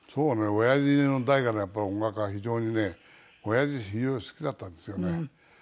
おやじの代からやっぱり音楽は非常にねおやじ非常に好きだったんですよね。